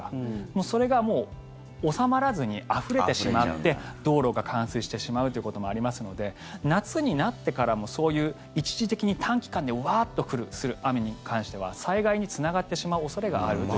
もう、それが収まらずにあふれてしまって道路が冠水してしまうということもありますので夏になってからも、そういう一時的に短期間でワッと降る雨に関しては災害につながってしまう恐れがあるという。